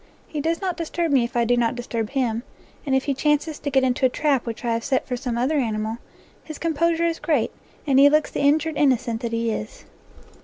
He does not disturb me if I do not disturb him, and if he chances to get into a trap which I have set for some other animal, his compo sure is great, and he looks the injured innocent that he is.